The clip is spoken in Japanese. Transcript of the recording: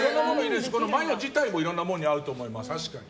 マヨ自体もいろんなものに合うと思います。